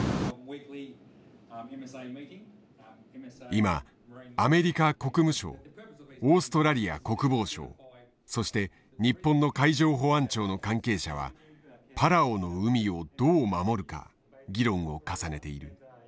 今アメリカ国務省オーストラリア国防省そして日本の海上保安庁の関係者はパラオの海をどう守るか議論を重ねている。